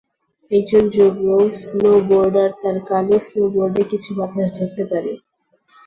একজন যুবক স্নোবোর্ডার তার কালো স্নোবোর্ডে কিছু বাতাস ধরতে পারে।